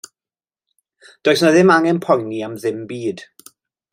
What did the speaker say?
Does 'na ddim angen poeni am ddim byd.